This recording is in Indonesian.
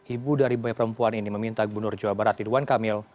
ibu dari bayi perempuan ini meminta gubernur jawa barat ridwan kamil